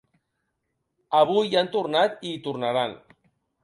Avui hi han tornat i hi tornaran.